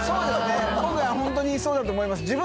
ホントにそうだと思います。